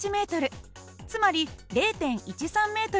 つまり０．１３ｍです。